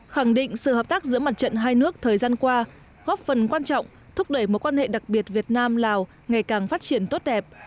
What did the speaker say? khẳng định sự hợp tác giữa mặt trận hai nước thời gian qua góp phần quan trọng thúc đẩy mối quan hệ đặc biệt việt nam lào ngày càng phát triển tốt đẹp